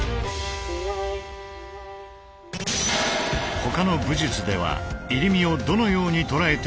ほかの武術では「入身」をどのように捉えているのだろうか。